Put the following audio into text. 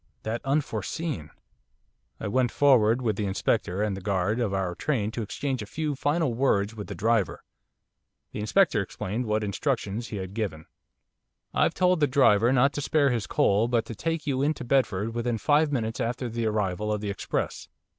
That unforeseen! I went forward with the Inspector and the guard of our train to exchange a few final words with the driver. The Inspector explained what instructions he had given. 'I've told the driver not to spare his coal but to take you into Bedford within five minutes after the arrival of the express.